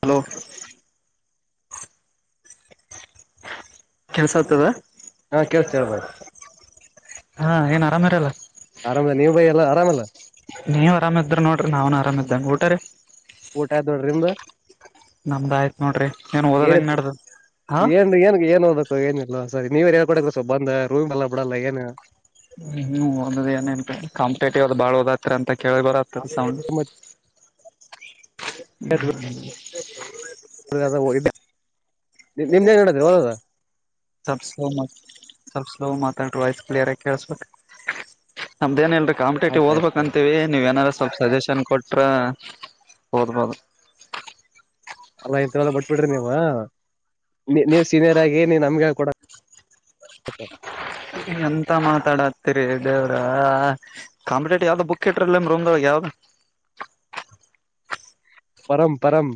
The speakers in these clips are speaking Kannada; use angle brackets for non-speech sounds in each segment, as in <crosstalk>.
ಹಲೋ ಕೆಲ್ಸ ಆಗ್ತದ ಹಾ ಕೇಳ್ಸ್ತ ಹೇಳ <unintelligible> ಬಾಯ್ ಹಾ ಏನ್ ಆರಾಮ ಇರಲ್ಲ ಆರಾಮ ನೀವ್ ಬೈ ಎಲ್ಲ ಆರಾಮಲ್ಲ ನೀವ್ ಆರಾಮಿದ್ರ ನೋಡ್ರಿ ನಾನ್ ಆರಾಮ ಇದ್ದೇನ್ ಊಟ ರೀ? ಊಟ ಆತ್ನೋಡ್ರಿ ನಿಮ್ದ? ನಮ್ದ್ ಆಯ್ತ್ ನೋಡ್ರಿ ಏನ್ ಓದದ್ ಹೆಂಗ್ ನಡ್ದ್ ಹ ಏನ್ ಏನ್ ಏನ್ ಓದಬೇಕು ಏನಿಲ್ಲ ಸರಿ ನೀವೆರಾ ಹೇಳ್ಕೊಡ್ಬೇಕು ಸ್ವಲ್ಪ ಬಂದ ರೂಮ್ ಎಲ್ಲ ಬಿಡಲ್ಲ ಏನು ಹ್ಮ್ ಹ್ಮ್ ಓದೋದೇನಿರ್ತೈತ್ ಕಾಂಪಿಟೇಟಿವ್ ಅದ ಬಾಳ್ ಹದತ್ರ ಅಂತ ಕೇಳಿ ಬರ ತ ಸೌಂಡ್ ಹ್ಮ್ ಹ್ಮ್ <inaudible> <unintelligible> ನಿಮ್ದೇನ್ ನಡ್ದದ ಓದದ? ಸಲ್ಪ್ ಸ್ಲೋ ಮಾತ್ ಸಲ್ಪ್ ಸ್ಲೋ ಮಾತಾಡ್ರಿ ವಾಯ್ಸ್ ಕ್ಲಿಯರ್ ಆಗ್ ಕೇಳಸ್ಬಕ ನಮ್ದೇನಿಲ್ ಕಾಂಪಿಟೇಟಿವ್ ಆಯ್ತಾಯ್ತು ಸರ್ ಓದ್ಬೇಕಂತೀವಿ ನೀವೇನಾರ ಸ್ವಲ್ಪ ಸಜೆಷನ್ ಕೊಟ್ರ ಓದ್ಬೋದು. ಅಲ್ಲ ಇದೆಲ್ಲಾ ಬಟ್ಬಿಡ್ರಿ ನೀವ ನೀ ನೀವ್ ಸೀನಿಯರ್ ಆಗಿ ನೀ ನಮ್ಗ್ ಹೇಳ್ ಕೊಡ ಎಂತ ಮಾತಾಡ ತಿರಿ ದೇವ್ರ ಕಾಂಪಟೇಟಿವ್ ಯಾವ್ದ ಬುಕ್ ಇಟ್ರಲ್ಲ ನಿಮ್ ರೂಮ್ದೊಳಗ್ ಯಾವ್ದ? ಪರಂ ಪರಂ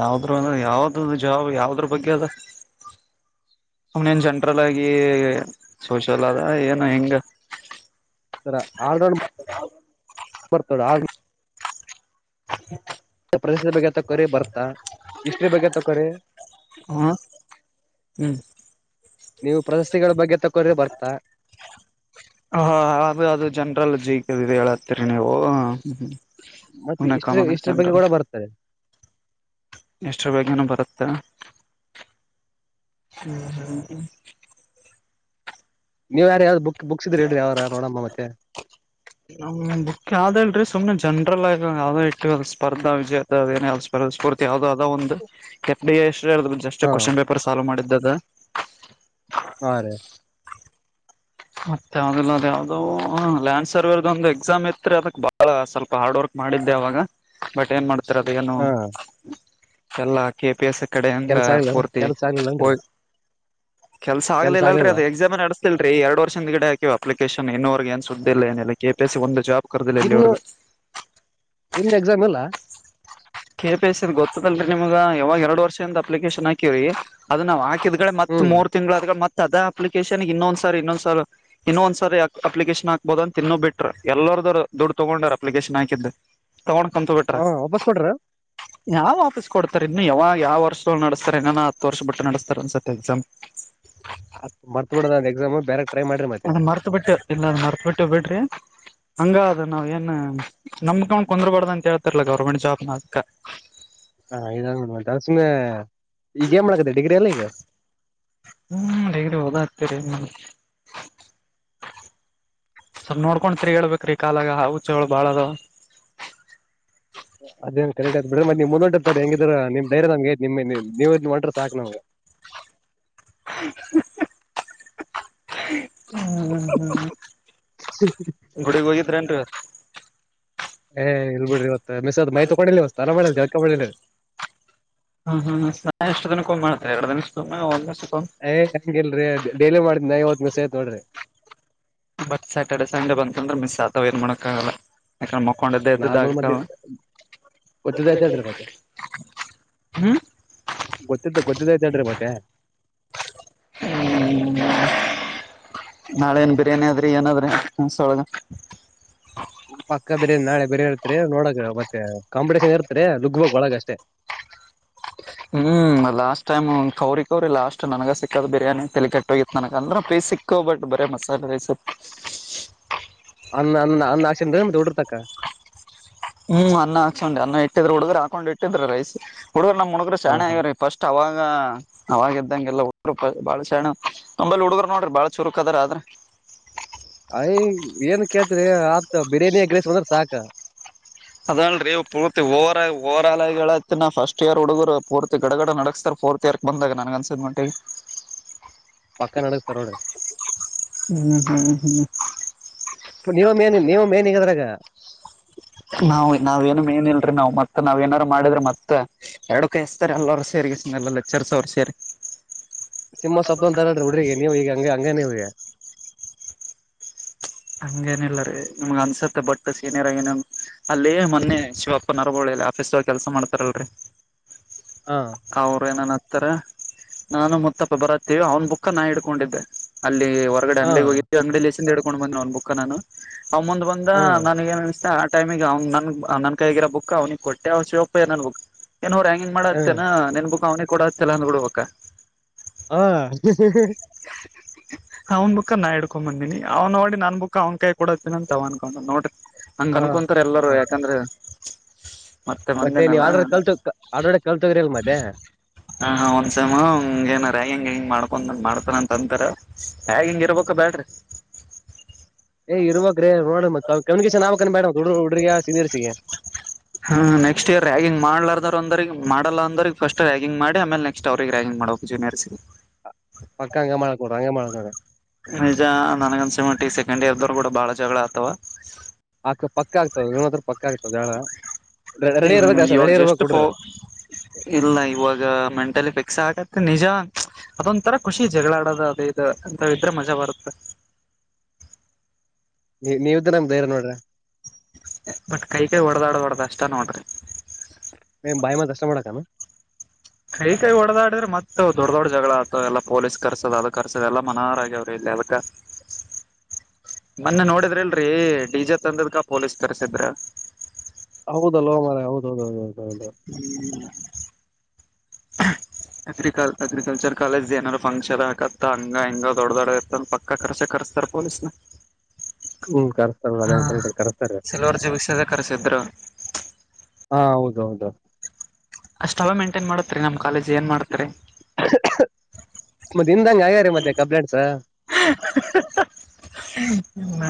ಯಾವ್ದರು ಯಾವ್ದ ಜಾಬ್ ಯಾವದ್ರ ಬಗ್ಗೆ ಅದ ಅವನೇನ್ ಜಂನ್ರಲ್ ಆಗಿ -ಸೋಶಿಯಲ್ ಅದ ಏನ ಹೆಂಗ ಸರ ಆಲ್ರೌಂಡ್ <inaudible> ಪ್ರದೇಶದ ಬೇಕತ <unintelligible> ಕರೆ ಬರ್ತಾ ಹಿಸ್ಟ್ರಿ ಬಗ್ಗೆ ತಕೋರಿ - ಹಾ ಹ್ಮ್ ನೀವು ಪ್ರಶಸ್ತಿಗಳ ಬಗ್ಗೆ ತಕೋರಿ ಬರ್ತಾ ಹ ಅದು ಅದು ಜನ್ರಲ್ಲ ಜೀಕೆ ಹೇಳತ್ತೀರಿ ನೀವು ಮತ್ತೆ ಸುಮ್ನೆ ಹಿಸ್ಟ್ರಿ ಕಾಮನ್ ಆಗಿ ಹಿಸ್ಟ್ರಿ ಬಗ್ಗೆ ಜನರಲ್ ಕೂಡ ಬರ್ತೆ ಎಷ್ಟರ ಬಗ್ಗೆನ ಬರುತ್ತಾ <unintelligible> ನೀವು ಯಾರ ಯಾವ್ದ್ ಬುಕ್ ಬುಕ್ಸ್ ಇದ್ರ ಹೇಳ್ರಿ ಯಾವಾರ ನೋಡಮ್ಮ ಮತ್ತೆ ನ್ ಬುಖ ಆದ ಹೇಳಲ್ರಿ ಸುಮ್ನೆಂಚ <unintelligible> ಜನರಲ್ ಆಗ ಯಾವೋ ಇಟ್ಟು ಸ್ಪರ್ಧಾ ವಿಜೇತ ಯಾವ ಸ್ಪರ್ಧ ಸ್ಫೂರ್ತಿ ಯಾಾವದದೋ ಒಂದು ಕೆ <unintelligible> ಜಸ್ ಹಾ ಕ್ವ್ನ್ ಪೇಪರ್ ಸಾಲ್ವ ಮಾಡಿದ್ದ <unintelligible> ದ ಹಾ ರೀ ಮತ್ತೆ ಯಾವಿಲ್ಲ ಅ ಯಾವ್ದೋ ಹ ಲ್ಯಾನ್ ಸರ್ವರ್ ಒಂದು ಎಕ್ಸಾಮ್ ಇತ್ ಅದಕ್ ಬಾಳ ಸ್ವಲ್ಪ ಹಾರ್ಡ್ ವರ್ಕ್ ಮಾಡಿದ್ದೆ ಅವಾಗ ಬಟ್ ಏನ್ ಮಾಡ್ ಚತ್ರರದೆಯನು ಹಾ <unintelligible> ಎಲ್ಲಾ ಕೆ ಪಿ ಎಸ್ ಕಡೆಯಿಂದ ಕೆಲ್ಸ ಆಗ್ಲಿಲ್ಲ ಪೂರ್ತಿ ಕೆಲ್ಸ ಆಗ್ಲಿಲ್ಲನ್ರಿ ಹೋಗ್ ಕೆಲ್ಸ ಆಗ್ಲಿಲ್ಲಲ್ರಿ ಅದು ಎಕ್ಸಾಮ ಅ ನಡಸ್ ಇಲ್ರರಿ ಎರಡು ವರ್ಷ್ ಹಗಡೆ ಹಾಕೆ ಅಪ್ಲಿಕೇಶನ್ ಇೂವರೆಗ ನ್ ಸುದ್ದ ಇಿಲ್ಲ ಏನಿಲ್ಲ ಕೆಪಿ ಎ ಸಿ ಒಂದು ಜಾಬ್ <unintelligible> ಇನ್ನು ಇಲ್ಲಿವರ್ಗು ನಿಂದ್ ಎಕ್ಸಾಮ್ ಇಲ್ಲ <inaudible> ಕೆ ಗೊತ್ತದಲ್ರಿ ನಿಮಗ ಯಾವಾಗ ಎರಡ್ ವರ್ಷ ಅಪ್ಲಿಕೇಶನ್ ಹಾಕಿವಿ ಅದು ನಾವು ಹಾಕಿದ ಡೆ ಮತ್ತ್ ಹ್ಮ್ ಮೂರು ತಿಂಗ್ಲ್ ಅದ್ರ್ ಮತ್ ಸದಾ ಅಪ್ಲಿಕೇಶನ್ ಇನ್ನೊಂದ್ಸರ್ ಇನ್ನೊಂದ್ಸರ್ ಇನ್ನೊಂದ್ಸರ್ ಯ ಅಪ್ಲಿಕೇಶನ್ ಹಾಕ್ಬಹದ ಅಂತ ತಿನ್ನ ಬಿಟ್ರ ಎಲ್ಲರದರು ದುಡ್ಡು ತೊಗೊಂಡ್ರ ಅಪ್ಲಿಕೇಶನ್ ಹಾಕಿದ್ದ್ <unintelligible> ಹಾ ವಾಪಸ್ ಕೊಡ್ರ ಯಾವ್ ವಾಪಸ್ ಕೊಡ್ತಾರೆ ಇನ್ನು ಯಾವಾಗ ಯಾವ್ ವರ್ಷ ನಡಸ್ತಾರೆ ಏನಾನ ಹತ್ತು ವರ್ಷ ಬಟ್ ನಡೆಸ್ತಾರ ಅನ್ಸತ್ ಎಕ್ಸಾಮ್ ಮರ್ತ್ ಬಿಡದ ಅದ್ ಎಕ್ಸಾಮ್ ಬೇರೆ ಟ್ರೈ ಮಾಡ್ರಿ ಮತ್ತೆ ಅದ ಮರ್ತ ಬಿಟ್ ಇಲ್ಲದ ಮರ್ತ ಬಿಟ್ಟು ಬಿಡ್ರಿ ಹಂಗ ಅದು ನಾವ್ ಏನ್ ನಮ್ ಕಂಡ್ ಕುಂದ್ರಬಾರ್ದ ಅಂತ ಹೇಳ್ತಾರಲ್ಲಾ ಗವರ್ಮೆಂಟ್ ಜಾಬ್ ನ ಅತ್ಕ ಹಾ ಇದ ದಾಸಮೆ <unintelligible> ಹ್ಮ್ ಹೇಗಡೆ ಹೋದಾಗ್ತರಿೀ <unintelligible> ಸಲ್ ನೋಡ್ಕೊಂಡ ತಿರ್ಗಡ್ಬೇಕ್ರಿ ಕಾಲಾಗ ಹಾವು ಚೇಳು ಬಾಳ್ ಅದಾವ ಅದೇ ಕರೆಕ್ಟ್ ಆಗ್ ಬಿಡ್ರ ಮತ್ತೆ ನೀ್ ಮುಂದ ಹೊಂಟರ್ತಾರೆ ಹೆಂಗಿದ್ರ ನಿಮ ದೈರ್ಯದಂಗ ನಿ ನೀವು ಒಂಟ ಸಾಕ್ ನ್ <unintelligible> <inaudible> ಹ್ಮ ಹ್ಮ್ ಹ್ಮ್ ಗುಡಿಗ್ ಹೋಗಿದ್ರ ನ್ ಏ ಇಲ್ ಬಿಡ್ರಿ ಇವತ್ ಮ್ದ ಮೈ ತೊಗೊಂಡ ಅಲ ಮಾಡಲ್ ಅಕಿಲ್ಲ ಹ್ಮ್ ಹ್ಮ್ ಎಷ್ಟು ದಿನಕ್ಕೊಮ್ಮೆ ಮಾಡ್ತಾರೆ ಎರಡು ದಿನಕ್ಕೊಮ್ಮೆ ಏ್ ಹೆಂಗಲ್ರಿ ಡೈಲಿ ಮಾಡಿದ್ ನೈವತ್ ಸೇತ್ ನೋಡ್ರಿ ಬಟ್ ಸ್ಯಾಟರ್ಡೆ ಸಂಡೇ ಬಂದಕಂದ್ರೆ ಮಿಸ್ ಆತಾವ ಏನ್ ಮಾಡೋಕ್ ಆಗಲ್ಲ ಯಾಕಂದ್ರೆ ಮಕ್ಕೊಂಡಿದ್ದೆ ಎದ್ದಿದ್ದ ನಾರ್ಮಲ್ ಮದ್ ಆಗ್ತಾವ ಗೊತ್ತಿದ್ದಐತ ಹೇಳ್ರಿ ಮತ್ತೆ ಹ್ಮ್ ಗೊತ್ತ ಗೊತ್ತಿದ್ದೈತ ಹೇಳ್ರಿ ಮತ್ತೆ ಹ್ಮ್ ನಾಳೆ ಏನ್ ಬಿರಿಯಾನಿ ಆದದ್ರಿ ಏನದ್ರಿ ಮೇಸೊಳಗ ಪಕ್ಕ ಬಿರ್ಯಾನಿ ನಾಳೆ ಬಿರ್ಯಾನಿ ಇರ್ತ್ರಿ ನೋಡಕ್ ಮತ್ತೆ ಕಾಂಪಿಟೇಷನ್ ಇರ್ತರಿ ದುಗ್ಬಕ್ ಒಳಗಷ್ಟೇ ಹ್ಮ್ ಲಾಸ್ಟ್ ಟೈಮ್ ಕೌರಿ ಕವ್ರರಿ ಲಾಸ್ಟ್ ನನ್ಗ ಸಿಕ್ಕದ ಬಿರಿಯಾನಿ ತಲಿ ಕಟ್ಟೋಗಿತ್ ನನಗ ಅಂದ್ರ ಫ್ರೀ ಸಿಕ್ಕ ಬಟ್ ಬರ ಮಸಾಲೆ ರೈಸ್ ಚಡರ್ತಕ್ಕ ಹ್ಮ್ ಅನ್ನ ಹಾಕ್ಕೊಂಡ್ ಅನ್ನ ಇಟ್ಟಿದ್ರರು ಹುಡುಗರು ಹಾಕೊಂಡ್ ಇಟ್ಟಿದ್ರ ರೈಸ್ ಹುಡುಗರ ನಮ್ಮ ಹುಡಗರ ಹ ಶಾನ್ಯಾ ಆಗ್ಯಾವರ್ ಫಸ್ಟ್ ಅವಾಗ ಅವಾಗ ಇದ್ದಂಗೆಲ್ಲ ಹುರು ಬಾಳ ಶಣ ತಂಬಲ್ಲಿ ಹುಡುಗರು ನೋಡ್ರಿ ಬಾಳ ಚುರುಕ್ ಅದಾರ ಆದ್ರ ಅಯ್ ಏನ್ ಕೇಳ್ತರಿ ಆತ ಬಿರಿಯಾನಿ ಗ್ರೇಸ್ ಬಂದ್ರ ಸಾಕ ಅದಲ್ರಿೀ ಪೂರ್ತಿ ಓವರ್ ಓವರ್ಲ್ ಹೇಳತಿಿನ ಫಸ್ಟ್ ಇಯರ್ ಹುಡುಗರು ಪೂರ್ತಿ ಗಡಗಡ ನಡಸ್ತಾರ್ ಫೋರ್ತ್ ಇಯರ್ ಬಂದಾಗ ನನ್ ಅನ್ಸಿದ ಮಾಡಂಟ ಹೇಳಿ ಪಕ್ಕ ನಡಗ್ತಾರ ನೋಡ್ರಿ ಹ್ಮ್ ಹ್ಮ್ ಹ್ಮ್ ನೀವ ಮೇನ್ ನೀವ ಮೇನ್ ಈಗದ್ರಾಗ ನಾವ ನಾವೇನು ಏನ್ಲ್ರಿ ನಾವು ಮ ನಾವ್ ಏನಾದಾರರು ಅದ ಮಾಡಿದ್ರೆ ಮತ್ತೆ ಎರಡಕ ಎಸ್ತಾರೆ ಎಲ್ಲರು ಸೇರಿ ಎಲ್ಲ ಲೆಚರ್ಸ್ ಅವ್ರು ಸೇರಿ ನಿಮ್ಮ ಸೊಪ್ಪಂತರ್ರ ಹುಡ್ರಿ ನೀವು ಈಗ ಹಂಗ ಹಂಗ ನೀವರಿ ಹಂಗೇನಿಲ್ಲರರಿ ನಿಮ್ಗ್ ಅನ್ಸತ್ತೆ ಬಟ್ ಸೀನಿಯರ್ ಏನೇ ಅಲ್ಲೇ ಮೊನ್ನೆ ಶಿವಪ್ಪ ನರವಳ ಆಫೀಸ್ ಕೆಲ್ಸ ಮಾಡ್ತಾರಲ್ರರಿ ಹಾ ಅವ್ರ ಏನನ್ ತ ನಾನು ಮುತ್ತಪ್ಪ ಬರತ್ತೇವಿ ಅವ್ನ್ ಬುಕ್ಕ ನಾ ಇಡ್ಕೊಂಡಿದ್ದೆ ಅಲ್ಲಿ ಹೊರಗಡೆ ಹಾ ಅಂಡಿಗಿ ಹೋಗಿದ್ದ್ವ ಅಂಡಿಲಿ ಎಡುೊಂಡ ಬ ಹಂಬುಕ್ನು ಅವ ಮುಂದ್ ಬಂದ ಹಾ ನನಗೆನನಿಸತ್ ಟೈಮಿಗೆ ಅವ್ ನನ್ ನನ್ ಕೈಗರೋ ಬುಕ್ ಅವ್ನಿಗೆ ಕೊಟ್ಟೆ ಅವಾಗ ಶಿವಪ್ಪ ಏನ್ ಅನಬೇಕು ಏನೋ ರ್ಯಾಗಿಂಗ್ ಮಾಡತಿಯೆನ್ನ ನಿನ್ನ ಬುಕ್ ಅವನೀಗ ಕೊೂಡ ತಲಂದ್ ಬಿಡುವ ಹ ಅವ್ನ್ ಬುಕ್ಕಾ ನಾ ಇಡ್ಕೊಂಡ್ ಬಂದೀನಿ ಅವ್ನೋಡಿ ನನ್ನ ಬುಕ್ ಅವನಕಯ್ಯಾಗ ಕೊಡಾತೇನ್ ಅಂತ ಅನ್ಕೊಂಡನ್ ನೋಡರಿ ಹಂಗ ಹಾ ಕನ್ಕೊಂತಾರ ಎಲ್ಲರುೂ ಹಾ ಯಾಕಂದ್ರ ಮತ್ತೆ ನೀವ್ ಮಂದೇನಲ್ಲ ಆಡ್ರ ಕಲ್ತು ಆಡೋಡೆ ಕಲ್ತೋಗ್ರಿ ಅಲ್ ಮತ್ತೆ ಹ ಹ ಒಂದ್ಸಮ ಹಂಗ ಏನಾರಂಗ ಮಾಡ್ಕೊಂಡ ಮಾಡ್ತಾನಂತಂತರ ಹೇಗ ಹಿಂಗ್ ಇರ್ಬೇಕ ಬ್ಯಾಡ್ರಿ ಏ್ ಇರಬೇಕರಿ ಕಮ್ಯುನಿಕೇಶನ್ ಆಕೇಡಡ್ರಿಗೆ ಸೀನಿಯರ್ಸ್ಗಿ ಂದ್ರ ಮಾಡಲ್ಲ ಅಂದ್ರ ಫಸ್ಟ್ ರ್ಯಾಗಿಂಗ್ ಮಾಡಿ ಆಮೇಲೆ ನೆಕ್ಸ್ಟ್ ಅವ್ರರಿಗೆ ರ್ಯಾಗಿಂಗ್ ಮಾಡಕ್ ಜೂನಿಯರ್ ಗಿ ಪಕ್ಕ ಹಂಗ ಮಾಡಕೋಡ ಹಂಗ ಮಾಡಕೋ್ರ ನಿಜ ನನಗಂದಸಮಟ್ಟಿಗೆ ಸೆಕೆಂಡ್ ಇರ್ದರು ಕೂಡ ಬಹಳ ಜಗಳ ಆಗ್ತವ ಆಕ್ಕ ಪಕ್ಕ ಆಗ್ತವ ಏನ ಹತ್ರ ಪಕ್ಕ ಆಗ್ತದ ಜಳ ಹ್ಮ ಇವಾಗ ಜಸ್ಟ್ ೋ <inaudible> ಇಲ್ಲ ಇವಾಗ ಮೆಂಟಲಿ ಫಿಕ್ಸ್ ಆಗತ್ತ ನಿಜ ಅದೊಂಂತರ ಖುಷಿ ಜಗಳಾಡದು ಅದ ಇದು ಅಂತ ಇದ್ರೆ ಮಜಾ ಬರುತ್ತೆ ನೀ ನೀವ್ದ ನಮ್ದ ೇರ ನೋಡ್ರಿ ಬಟ್ ಕೈ - ಕೈ ಹೊಡ್ದಡ ಹೊಡ್ದ್ ಅಷ್ಟ ನೋಡ್ರಿ ಬಾಯ ಮಾಡ ಕ <inaudible> ಷ್ಟಟ ಮಾಡಡಕ ಕೈ -ಕೈ ಹೊಡದಾ ಆಡಿದ್ರ ಮತ್ತ ದೊಡ್ - ದೊಡ್ ಜಗಳ ಆತ ಎಲ್ಲಾ ಪೊಲೀಸ್ ಕರ್ಸದ ಅದ ಕರ್ಸದ ಎಾ ಮನಾರ ಆಗ್ಯಾವ್ರಿ ಇಲ್ಲಿ ಅದಕ ಮೊನ್ನೆ ನೋಡಿದ್ರಿ ಇಲ್ರೀ ಡಿಜೆ ತಂದದ್ಕ ಪೋಲೀಸ್ ಕರ್ಸಿದ್ರ ಹೌದಲ್ ಮರ ಹೌದ -ಹೌದುೌೌದು ಹ್ಮ್ <inaudible> ಅಗ್ರಿಕಲ್- ಅಗ್ರಿಕಲ್ಚರ್ ಕಾಲೇಜ್ ಏನಾದಾರರು ಫಂಕ್ಷನ್ ಆಕತ್ತ ಹಂಗ - ಹಂಗ ದೊಡ್ಡ -ದೊಡ್ಡ ಇತ್ತ ಪಕ್ಕ ಕರ್ಚ ಕರ್ಸ್ತಾರ ಪೊಲೀಸ್ನ ಹ್ಮ್ ಕರ್ಸ್ತಾರ ಹಾ ಅದ ಕರೆಸ್ತಾರೆ <inaudible> ಸಿಲ್ವರ್ ಜುಬಿಕ್ಸದ ಕರ್ಸಿದ್ರು ಹಾ ಹೌದ ಅಷ್ಟ ಅವ ಮೈಂಟೈನ್ ಮಾಡತ್ರಿ ನಮ್ ಕಾಲೇಜ್ ಏನ್ ಮಾಡತರಿ <inaudible> ಮತ್ತೆ ನಿನ್ದಂಗಗೆ ಆ್ಯಾರೀ ಮತ್ತೆ ಕಬ್ಲೆಟ್ಸ ಹ್ಮ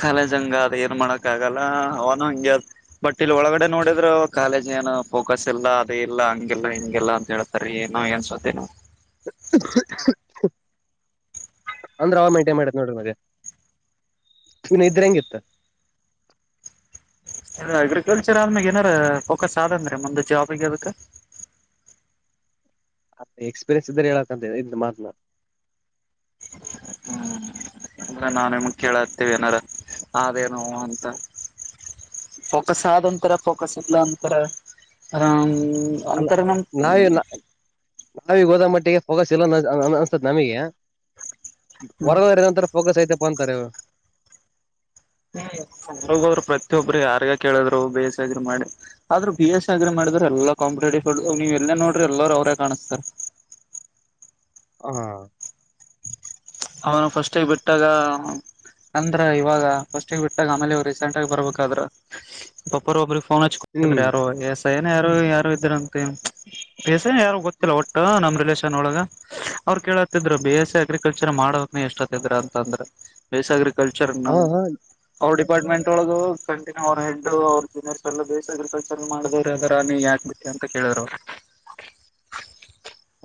ಕಾಲೇಜ್ ಹಂಗ ಅದ್ ಏನ್ ಮಾಡಕ್ ಆಗಲ್ಲ ಅವನು ಹಂಗಗೆ ಅ್ ಬಟ್ ಇಲ್ಲಿ ಒಳಗಡೆ ನೋಡಿದ್ರು ಕಾಲೇಜ್ ಏನು ಫೋಕಸ್ ಇಲ್ಲ ಅದೇ ಇಲ್ಲ ಹಂಗಿಲ್ಲಾ ಹಿಂಗಗೆಿಲ್ಲ ಅಂತ ಹೇಳ್ತಾರ ನ ಏನ್ಸತ್ತ ಅಂದ್ರೆ ಅವ ಮೇಂಟೈನ್ ಮಾಡ್ಯತ್ ನೋಡ್ರಿ ಮಗೆ ಇವನ್ ಇದ್ರ ಹೆಂಗಿತ್ತ ಇ ಅಗ್ರಿಕಲ್ಚರ್ ಆದ್ಮ್ಯಾಗ ಏನಾರ ಫೋಕಸ್ ಆದೇನ್್ರೀ ಮುಂದ ಜಾಬಗ ಅದಕ್ಕೆ ಎಕ್ಸ್ಪೀರಿಯನ್ಸ್ ಇದ್ದ್ರೆ ಹೇಳಕ್ಂತ ಇ ಮಾತನಾ ಹ್ಮ್ ಅಂದ್ರೆ ನಾ ನಿಮ್ ಕೇಳತೇವಿ ಏನಾರ ಆದೇನು ಅಂತ ಫೋಕಸ್ ಆದ ಒಂಥರ ಫೋಕಸ್ ಇಲ್ಲ ಅ ಆ <inaudible> ಅಲ್ಲ ನಾವಿ ನ ನಾವಿ ಗೋದ ಮಟ್ಟಿಗೆ ಹೋಗಸ ಎಲ್ಲ ಅನ್ಸತತ್ ನಮಗೆ ವರ್ಗಂತರ ಫೋಕಸ್ ಐತೆಪ್ಪ ಅಂತಾರೆ ಹ್ರ ಅವರು ಪ್ರತಿಯೊಬ್ಬರು ಯಾರ್ಗ ಕೇಳಿದ್ರು ಬಿ ಎಸ್ ಸಿ ಅಗ್ರಿ ಮಾಡಿ ಆದ್ರರು ಬಿ ಎಸ್ ಸಿ ಅಗ್ರಿ ಮಾಡಿದ್ರ ಎಲ್ಲಾ ಕಾಂಪಿಟೇಟಿವ್ ನೀವ್ ಎಲ್ಲ ನೋಡ್ರಿ ಎಲ್ಲರು ಅವ್ರೇ ಕಾಣಸ್ತಾರ ಹ ಅವನು ಫಸ್ಟ್ಗ ಬಟ್ಟು ಟಾ <inaudible> ಅಂದ್ರ ಇವಾಗ ಫಸ್ಟ್ಿಗೆ ಬಿಟ್ಟಾಗ ಆಮೇಲೆ ರೀಸೆಂಟ್ ಆಗಿ ಬರ್ಬೇಕಾದ್ರೆ ಒಬ್ಬರ- ಒಬ್ಬ್ರ ಫನ್ ಹಚ್ಕಿದ್ರ ಹ್ಮ್ ಯಾರು ಎಸ್ ಏ ಯಾರು- ಯಾರು ಇದ್ರಂತೆ ಬಿ ಯಾರು ಗೊತ್ತಿಲ್ಲ ಒಟ್ಟ ನಮ್ಮ್ ರಿಲೇಷನ್ ಒಳಗ ಅವ್ರು ಕೇಳತ್ತಿದ್ರು ಬಿ ಎಸ್ ಅಗ್ರಿಕಲ್ರ್ ಯ ಮಾಡಕ ಎಷ್ಟ ಹತ್ತಿದ್ರ ಅಂತ ಅಂದ್ರೆ ಬೇಸಾಗ್ರ ಕಲ್ಚರ್ ನ ಹ ಹ <inaudible> ಅವ ಡಿಪಾರ್ಟ್ಮೆಂಟ್ ಒಳಗ ಕಂಟಿನ್ಯ ಅವ ಹೆ ಅವ <inaudible> ಜೀನಿಯರ್ ಎಲ್ಲ ಬೇ ಅಗ್ರಿಕಲ್ಚರ್ ಮಾಡಿದವ್ರರು ಅದರ ನೀ ಯಾಕ ಬಿಿಟ್ಟೆ ಅಂತ ಕೇಳಿದರು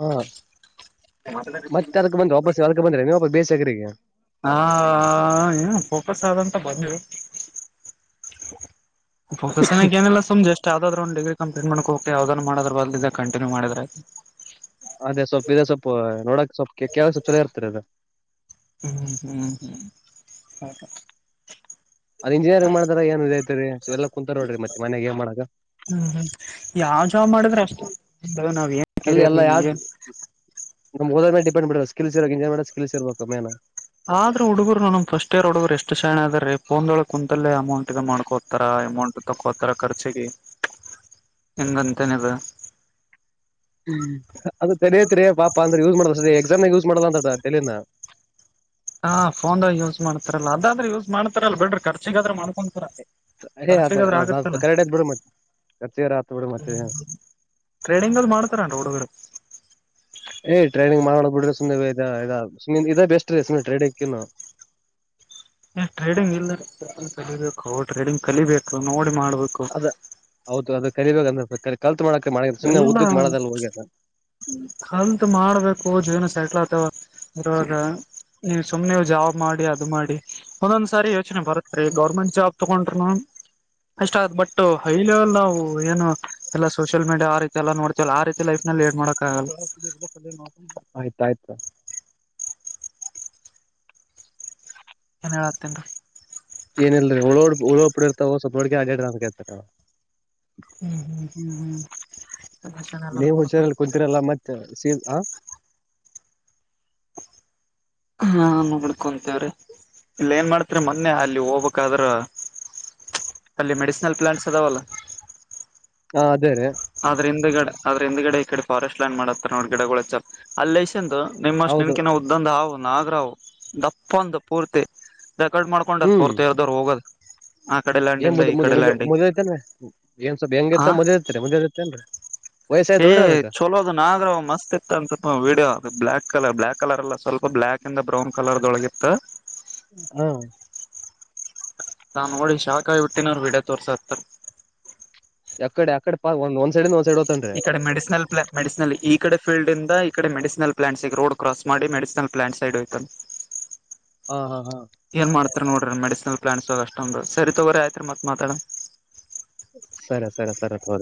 ಹಾ ಮತ್ತೆ ಅರ್ಕ್ ಬ್ರ ವಾಪಸ್ ಯ ಬಂದ್ರೆ ನೀವು ಬೇ ಚಕ್ರ ಹ ಏನು ಫೋಕಸ್ ಆದಂತ ಬಂದರು ಫಕಸನ ಅನೆಲ್ಲುಮ್ ಅಷ್ಟು ಯಾವದಾದ್ರ ಒ್ ಡಿಗ್ರ ಕಂಪ್ಲಟ್ ಮಾಡಕ ಹೋಗಕ ಯಾವ್ದದ್ ಮಾಡ್ರ ಬದ್ ಕಂಿನ್ಯೂ ಮಾಡಿದ್ರ ಅದೇ ಸ್ವಲ್ಪ್ ಇದೆ ಸ್ೊಲ್ಪ ನೋಡಕ್ ಸೊಪ್ ಕೆ ಕೆಲಸಪ್ ಚಛಲೋ ಇರ್ತಾರೆ ಅದ ಹ್ಮ್ ಹ್ಮ್ ಹ್ಮ್ ಹತ ಅದ ಇಂಜಿನಿಯರಿಂಗ್ ಮಾಡ್ದಾರ ಏನ್ ಇದ ಐತಿರಿ ಎಲ್ಲ ಕುಂತ ನೋಡ್ರಿ ಮತ್ತೆ ಮ ಮಾಡ ಹ್ಮ್ ಹ್ಮ್ ಯಾವ ಜಾಬ್ ಮಾಡಿದ್ರ ಅಷ್ಟೇ ನಾವ್ ಏನ್ ಕೆರಿಯರ್ ಅಲ್ಲಿಲ್ಲ ಏನ್ ಯೋದ ಮೇ ಡಿಪೆಂಡ್ ಕಳಿಸಿಿರ ಇಂಸ್ ಕಳಿಸಿರ್ಬೇಕ ಮೇನ ಆದ್ರ ಹುಡುಗರು ನ ಫಸ್ಟ್ ಇಯರ್ ಹುಡುಗರು ಎಷ್ಟು ಶರಣ ಅದೀ ಫೋನ್ೊಳ ಕುಂತಲ್ಲೇ ಅಮೌಂಟ್ ಗ ಮಾಡ್ಕೋತಾರ ಅಮೌಂಟ್ ತಕ್ಕೋತಾರ ಖರ್ಚಿಗೆ ಹೆಂಗಂತೇನದ ಹ್ಮ್ ಅದ ತಲತ್ರಿ ಪಾಪ ಅಂದ್ರೆ ಯೂಸ್ ಮಾಡ ಎಕ್ಸಾಮ್ಾಗ ಯೂಸ್ ಮಾಡದ ಅಂತ ತಲನ ಹಾ ಫೋನ್ ಯೂಸ್ ಮಾಡ್ ರಲ್ಲ ಅದಾದ್ರೆ ಯೂಸ್ ಮಾಡ್ತಾರಲ್ಲಲ್ ಬಿಡ್ರ ಖರ್ಚಗಾದ್ರ ಮಾಡ್ಕೊಂತತರ ಏ್ ಕ ಬಿ ಮರ್ಚ ಬಿಡ ಮತ್ತ ಟ್ರೇಡಿಂಗ್ ಅಲ್ಲಿ ಮಾಡ್ತಾರನ್ರಿ ಹುಡುಗರು ಏ್ ಟ್ರೈನಿಂಗ್ ಮಾಡಳ ಬಿಡ್ರ ಸು ಇದ ಇದ ಇದ ಬೆಸ್ ರೀ ಸ ಟ್ರೇಡ್ಕ್ಕನು ಏ ಟ್ರೇಡಿಂಗ್ ಇಲ್ ಕಲಿಬೇಕು ಟ್ರೇಡಿಂಗ್ ಕಲಿಬೇಕು ನೋಡಿ ಮಾಡ ಅದ ಹೌದು ಅದ ಕರಿಬೇಕ ಅನ್ನಸ ಕಲ್ ಎಲ್ಲ ಕಲ್ತ್ ಮಾಡ್ಬೇಕು ಜೀವನ ಸಕ್ಲ ಹ ಬರುವಾಗ ನೀವು ಸುಮ್ನೆ ಜಾವ ಮಾಡಿ ಅದು ಮಾಡಿ ಒಂದೊಂದ್ ಸಾರಿ ಯೋಚನೆ ಬರುತ್ತೀ ಗೌರ್ಮೆಂಟ್ ಜಾಬ್ ತಗೊಂಡ್ರರು ಅಷ್ಟ ಬಟ್ ಹೈ ಲೆವೆಲ್ ನಾವು ಏನುಲ್ಲ ಟ್ ಆ ರೀ ಎಲ್ಲ ನೋತವಲ್ಲ ಆೀ ಲೈಫ್ ನ ಲಡ್ ಮಾಡ ಆಯ್ತ ಆಯ್ತಾ ಏನ್ಳ್ ಹತ್ತಂೀ ಏನಲ್ರಿ ಉಳಡ್ ಉಳಡ್ ಬಿಡಿರ್ತಾವ ಸ್ವಲ್ಪ ಹಳ್ಡ್ಗೆ ಆಗೇಡ್ರ ಕೇಳ್ತ ಹ್ಮ್ ಹ್ಮ್ ಹ್ಮ್ ಹ್ಮ್ ಸಮಾಚಾರ ಎಲ್ಲಾರು ನೀವು್ ನೋಡ್ತಾರೆ. ಹುಷಾರಲ್ಲಿ ಕುೂತ್ತಿರಲ್ಲ ಮತ್ ಸೀ ಹ ಹಾ ನೋಡ್ಕೊಂತೇವ್ರೀ ಇಲ್ಲ ಏನ್ ಮಾಡ್ತ್ರಿ ಮೊನ್ನೆ ಅಲ್ಲಿ ಹೋಗ್ಕ್ಾದ್ರ ಅಲ್ಲಿ ಮೆಡಿಸಿನಲ್ ಪ್ಲಾಂಟ್ಸ್ ಅದಾವಲ್ಲ ಹಾ ಅದೇ ರೇ ಅ್ರ ಹಿಂದ್ಡೆ ಆದ್ರ ಹಿಂದ್ಗಡೆ ಈ ಕಡೆ ಫಾರೆಸ್ಟ್ ಲ್ಯಾಂಡ್ ಮಾಡತ್ತಾರೆ ನೋಡ ಗಿಡಗಳಚ್ಚ ಅಲ್ಲೇ ನಿಮ್ಮಷ್ಟ ಹೌದು ನೆಕಿನ ಉದ್ದಂದ ಹಾ ನಾಗರಾವ್ ದಪ್ಪಂತಪ್ಪೂರ್ತಿ ಡೆಕೋೇಟ್ ಮಾಡ್ಕೊಂಡಾರ ಹ್ಮ್ ಪೋರ್ತರ್ದವರು ಹೋಗೋದು ಆ ಕಡೆ ಏನ್ ಲ್ಯಾಂಡಿಂದ ಈ ಮು ಕಡೆ ಲ್ಯಾಂಡಿಂಗ್ ಮುದಐತ ಏನ್ ಸ್ವಲ್ಪ ಹೆಂಗ ಇತ್ತ ಮದಲಐತ ಮುದ ಏನ್ೀ ಏ್ ಚಲೋದು ನಾದ್ರ ಮಸ್ತ್ ಇತ್ತ ಅಂತ video black colour black colour ಅಲ್ಲ ಸ್ವಲ್ಪ ಬ್ಲ್ಯಾಕ್ ಇಂದ ಬ್ರೌನ್ ಕಲರ್ದೊಳಗಿತ್ತ ಹ್ಮ ನಾ ನೋಡಿ ಶಾಖಾಗಿಿ ಹುಟ್ಟಿನವರು ಬಿಡ ತೋರ್ಸ ಹತ್ತಾರ ಎಕಡೆ ಅಡೆ ಒಂದ ಒಂದ ಸೈಡ್ ಹೋತನ್ರಿ ಈ ಕಡೆ ಮೆಡಿಸಿನಲ್ ಪ್ಲಾನ್ ಮೆಡಿಸಿನಲ್ ಈ ಕಡೆ ಫೀಲ್ಡ್ ಇಂದ ಈ ಕಡೆ ಮೆಡಿಸಿನಲ್ ಪ್ಲಾಂಟ್ಸ್ಗ ರೋಡ್ ಕ್ರಾಸ್ ಮಾಡಿ ಮೆಿಸಿನ ಪ್ಲಾಂಟ್ ಸೈಡ್ೋಯ್ತು ಹಾ ಹಾ ಹಾ ನೋಡ್ರಿ ಮೆಡಿಸಿನಲ್ ಪ್ಲಾಂಸ್ ಅಷ್ಟೊಂದು ಸರಿ ತಗರೆ ಆಯ್ತ್ರಿ ಮತ್ತಾಡ ಸರರಿ ಸರ ಸರತ್ರ